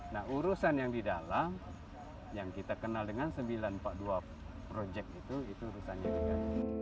nah urusan yang di dalam yang kita kenal dengan sembilan ratus empat puluh dua project itu itu urusannya dengan